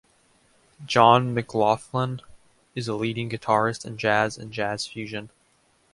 John McLaughlin is a leading guitarist in jazz and jazz fusion.